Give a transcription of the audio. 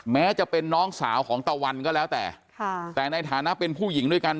แม้จะเป็นน้องสาวของตะวันก็แล้วแต่ค่ะแต่ในฐานะเป็นผู้หญิงด้วยกัน